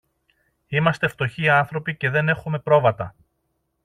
Είμαστε φτωχοί άνθρωποι και δεν έχομε πρόβατα.